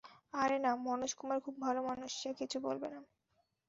আরে না, মনোজ কুমার খুব ভাল মানুষ, সে কিছু বলবে না।